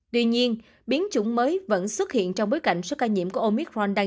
tuy nhiên biến chủng mới vẫn xuất hiện trong bối cảnh số ca nhiễm của omicron đang gia tăng